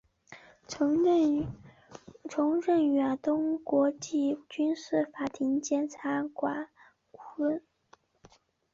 曾任远东国际军事法庭检察官顾问。